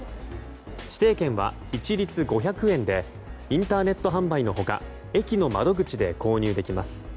指定券は一律５００円でインターネット販売の他駅の窓口で購入できます。